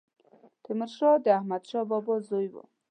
تيمورشاه د احمدشاه بابا زوی و